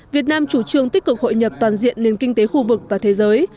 việt nam chủ trương tích cực hội nhập toàn diện nền kinh tế khu vực và thế giới